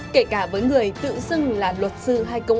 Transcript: kể cả với người tự xưng là luật sư